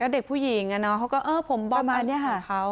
เด็กผู้หญิงเนาะเขาก็ผมบอกประมาณนี้ฮะ